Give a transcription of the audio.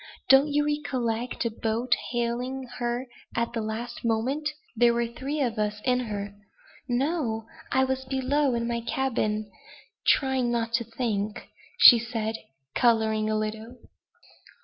Don't you recollect a boat hailing her at the last moment? There were three of us in her." "No! I was below in my cabin trying not to think," said she, coloring a little.